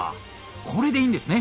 これでいいんですね。